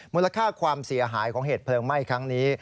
มูลค่าความเสียหายของเหตุเพลิงไหม้ครั้งนี้